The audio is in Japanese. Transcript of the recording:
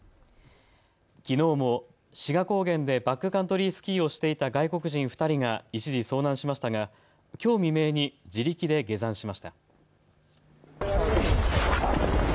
きのうも志賀高原でバックカントリースキーをしていた外国人２人が一時、遭難しましたがきょう未明に自力で下山しました。